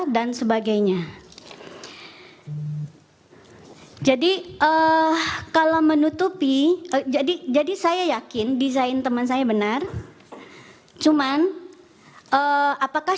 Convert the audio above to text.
dan sebagainya jadi eh kalau menutupi jadi jadi saya yakin desain teman saya benar cuman apakah